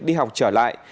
khi học trở lại